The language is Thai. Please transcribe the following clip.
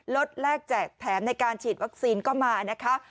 แลกแจกแถมในการฉีดวัคซีนก็มานะคะ